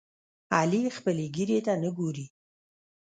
علي خپلې ګیرې ته نه ګوري.